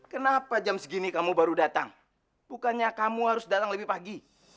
kenapa jam segini kamu baru datang bukannya kamu harus datang lebih pagi